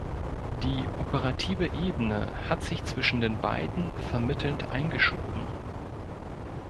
Die "operative Ebene" hat sich zwischen den beiden vermittelnd eingeschoben.